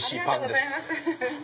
ありがとうございます。